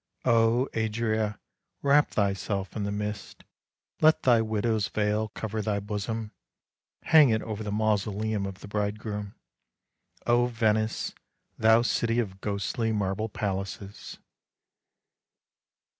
Oh, Adria, wrap thyself in the mist! Let thy widow's veil cover thy bosom! Hang it over the mausoleum of the bridegroom, oh Venice, thou city of ghostly marble palaces."